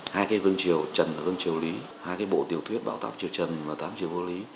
hai cái vương triều trần và vương triều lý hai cái bộ tiểu thuyết bảo tác triều trần và tám triều vua lý